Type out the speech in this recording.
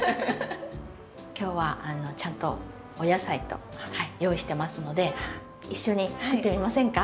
今日はちゃんとお野菜と用意してますので一緒に作ってみませんか？